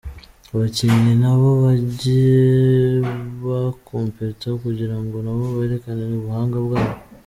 abakinnyi nabo bajye ba competent kugirango nabo berekane ubuhanga bwabo.